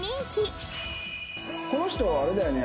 この人はあれだよね